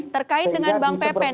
terkait dengan bang pepen ini bang